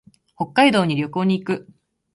北海道に旅行に行く。